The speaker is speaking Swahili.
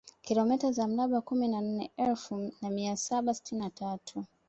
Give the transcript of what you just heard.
Kilomita za mraba kumi na nne elfu na mia saba sitini na tatu